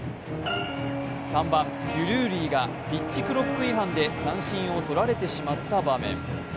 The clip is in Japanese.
３番・デュルーリーがピッチロック違反で三振をとられてしまった場面。